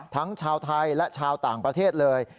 ทั้งชาวไทยและชาวต่างประเทศเลย